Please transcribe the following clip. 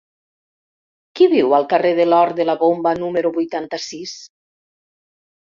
Qui viu al carrer de l'Hort de la Bomba número vuitanta-sis?